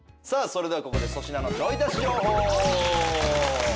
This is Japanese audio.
さあそれではここで。